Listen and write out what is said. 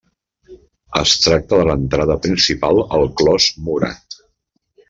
Es tracta de l'entrada principal al clos murat.